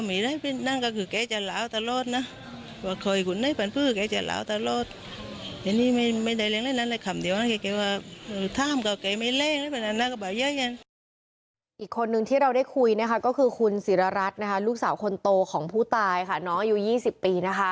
อีกคนหนึ่งที่เราได้คุยก็คือคุณศิรารัชร์ลูกสาวคนโตของผู้ตายอยู่๒๐ปี